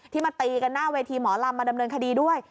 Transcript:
มาตีกันหน้าเวทีหมอลำมาดำเนินคดีด้วย